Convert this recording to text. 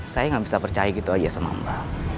saya gak bisa percaya gitu aja sama mba